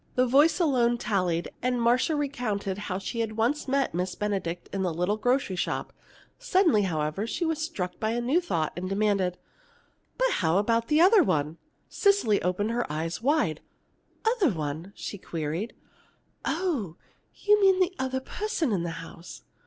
The voice alone tallied, and Marcia recounted how she had once met Miss Benedict in the little grocery shop. Suddenly, however, she was struck by a new thought, and demanded: "But how about the other one?" Cecily opened her eyes wide. "Other one?" she queried. "Oh, you mean the other person in the house?"